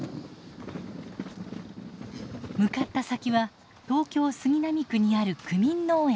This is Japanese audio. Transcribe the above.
向かった先は東京・杉並区にある区民農園。